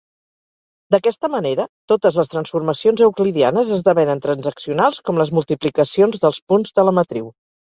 D'aquesta manera, totes les transformacions euclidianes esdevenen transaccionals com les multiplicacions dels punts de la matriu.